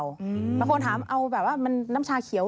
บางคนถามเอาแบบว่ามันน้ำชาเขียว